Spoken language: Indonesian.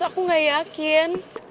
aku gak yakin